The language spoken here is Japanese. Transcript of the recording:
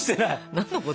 何のこと？